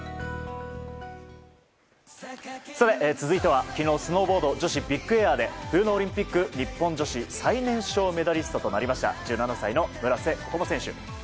続いては、昨日スノーボード女子ビッグエアで冬のオリンピック日本女子最年少メダリストとなった１７歳の村瀬心椛選手。